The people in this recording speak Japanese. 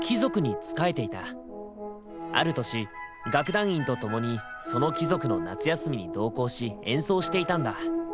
ある年楽団員と共にその貴族の夏休みに同行し演奏していたんだ。